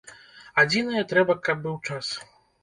Адзінае, трэба, каб быў час.